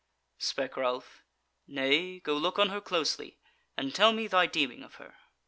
Spake Ralph: "Nay; go look on her closely, and tell me thy deeming of her."